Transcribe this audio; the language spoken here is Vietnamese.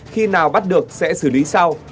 khi nào bắt được sẽ xử lý sau